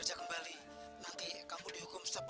juragan ini dia rao